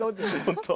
本当。